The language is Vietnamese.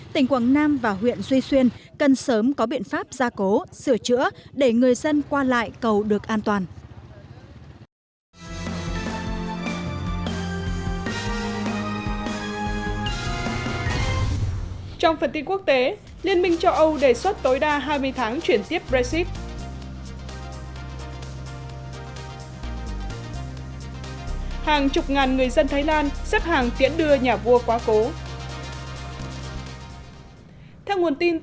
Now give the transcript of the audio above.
tỉnh quảng nam và huyện duy xuyên cần sớm có biện pháp gia cố sửa chữa để người dân qua lại cầu được an toàn